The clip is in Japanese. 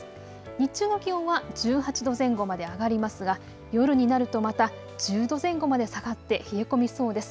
日中の気温は１８度前後まで上がりますが夜になるとまた１０度前後まで下がって冷え込みそうです。